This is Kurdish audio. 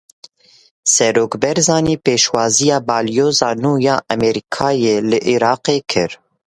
Serok Barzanî pêşwaziya Balyoza nû ya Amerîkayê li Iraqê kir.